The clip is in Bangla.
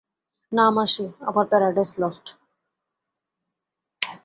না মাসি, আমার প্যারাডাইস লস্ট।